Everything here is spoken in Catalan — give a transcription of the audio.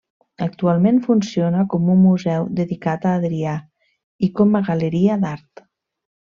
Actualment funciona com un museu dedicat a Adrià i com una galeria d'art.